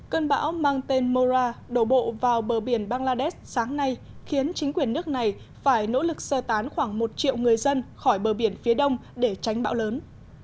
cơn bão mang tên mora đổ bộ vào bờ biển bangladesh sáng nay khiến chính quyền nước này phải nỗ lực sơ tán khoảng một triệu người dân khỏi bờ biển phía đông để tránh bão lớn